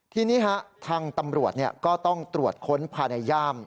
ทีนี้ทางตำรวจก็ต้องตรวจค้นภายในย่าม